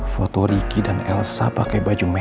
foto ricky dan elsa pakai baju merah